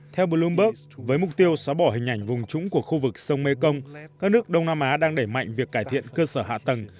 theo bloomberg với mục tiêu xóa bỏ hình ảnh vùng trũng của khu vực sông mekong các nước đông nam á đang đẩy mạnh việc cải thiện cơ sở hạ tầng